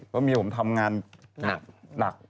เพราะเมียผมทำงานหนัก